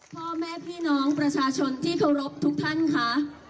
พ่อแม่พี่น้องประชาชนที่เคารพทุกท่านค่ะ